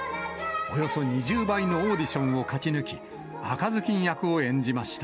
およそ２０倍のオーディションを勝ち抜き、赤ずきん役を演じました。